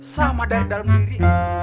sama dari dalam diri